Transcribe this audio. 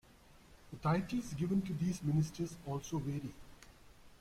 The titles given to these Ministers also vary.